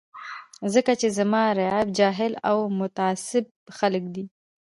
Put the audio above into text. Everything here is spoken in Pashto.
ځکه چې زما رعیت جاهل او متعصب خلک دي.